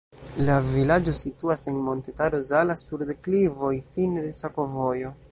La vilaĝo situas en Montetaro Zala sur deklivoj, fine de sakovojo.